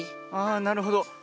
あなるほど。